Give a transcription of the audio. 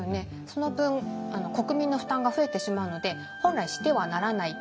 その分国民の負担が増えてしまうので本来してはならない。